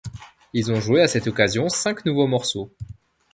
Ils ont joué à cette occasion cinq nouveaux morceaux.